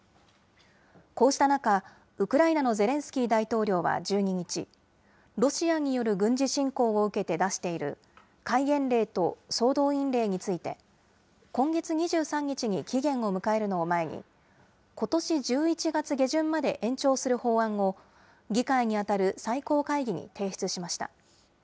こうした中、ウクライナのゼレンスキー大統領は、１２日、ロシアによる軍事侵攻を受けて出している、戒厳令と総動員令について、今月２３日に期限を迎えるのを前に、ことし１１月下旬まで延長する法案を、議会に当たる最高会議に提出しました。